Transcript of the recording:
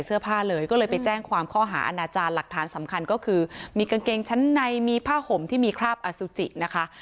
สำคัญก็คือมีกางเกงชั้นในมีผ้าผมที่มีคราบอสุจินะคะ